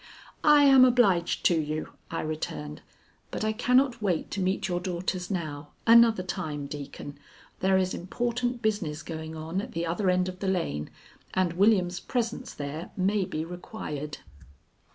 "I am obliged to you," I returned; "but I cannot wait to meet your daughters now. Another time, Deacon. There is important business going on at the other end of the lane, and William's presence there may be required."